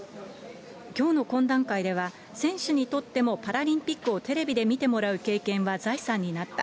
きょうの懇談会では、選手にとってもパラリンピックをテレビで見てもらう経験は財産になった。